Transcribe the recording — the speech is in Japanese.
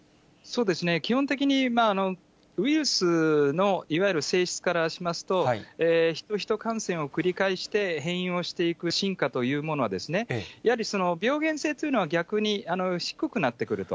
基本的に、ウイルスのいわゆる性質からしますと、ヒトヒト感染を繰り返して、変異をしていく進化というものは、やはり病原性というのは、逆に低くなってくると。